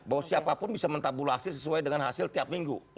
bahwa siapapun bisa mentabulasi sesuai dengan hasil tiap minggu